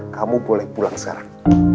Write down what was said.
kamu boleh pulang sekarang